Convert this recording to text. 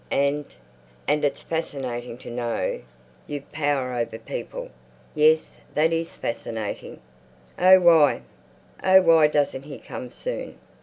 And—and it's fascinating to know you've power over people. Yes, that is fascinating.... Oh why, oh why doesn't "he" come soon?